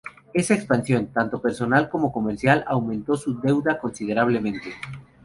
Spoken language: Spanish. Esa expansión, tanto personal como comercial, aumentó su deuda considerablemente.